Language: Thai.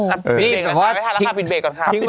พี่อาวิทยาลักษณ์ปิดเบรกก่อนค่ะ